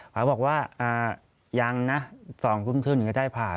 เขาบอกว่ายังนะ๒ทุ่มถึงก็ได้ผ่า